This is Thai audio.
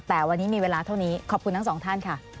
แต่วันนี้มีเวลาเท่านี้ขอบคุณทั้งสองท่านค่ะ